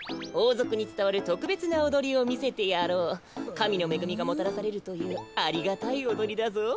かみのめぐみがもたらせるというありがたいおどりだぞ。